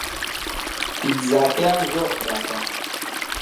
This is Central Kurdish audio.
پیتزاکەیان زۆر خراپە.